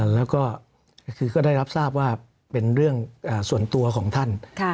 แล้วก็คือก็ได้รับทราบว่าเป็นเรื่องส่วนตัวของท่าน